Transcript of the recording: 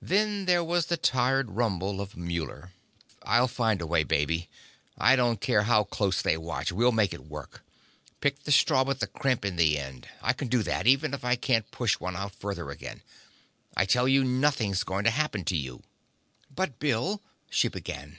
Then there was the tired rumble of Muller. "I'll find a way, baby. I don't care how close they watch, we'll make it work. Pick the straw with the crimp in the end I can do that, even if I can't push one out further again. I tell you, nothing's going to happen to you." "But Bill " she began.